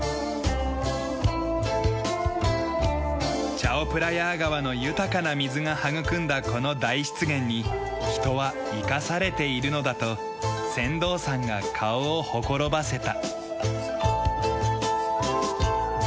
チャオプラヤー川の豊かな水が育んだこの大湿原に人は生かされているのだと船頭さんが顔をほころばせた。